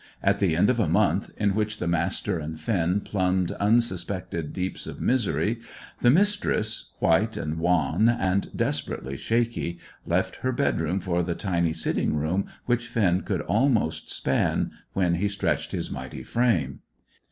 At the end of a month, in which the Master and Finn plumbed unsuspected deeps of misery, the Mistress, white and wan, and desperately shaky, left her bedroom for the tiny sitting room which Finn could almost span when he stretched his mighty frame.